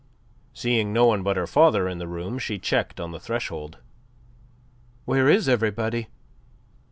Seeing no one but her father in the room, she checked on the threshold. "Where is everybody?"